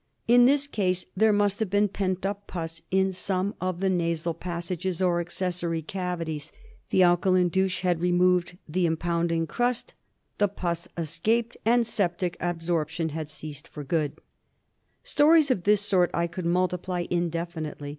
In this case there must have been pent up pus in some of the nasal passages or accessory cavities. The alkaline douche had removed the im pounding crust, the pus escaped, and septic absorption had ceased for good. l6o DIAGNOSIS OF MALARIA. Stories of this sort I could multiply indefinitel}'.